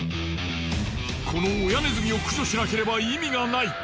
この親ネズミを駆除しなければ意味がない。